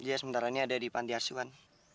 ya sementara ini ada di pantai arsuan